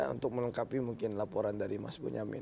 untuk melengkapi mungkin laporan dari mas bonyamin